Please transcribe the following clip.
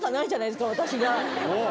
私が。